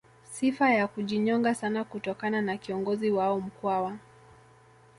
Sifa ya kujinyonga sana kutokana na kiongozi wao Mkwawa